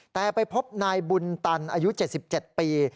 แต่ไปพบนายบุญตันอายุ๗๗ปี